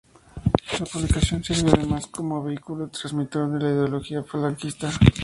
La publicación sirvió además como vehículo transmisor de la ideología falangista.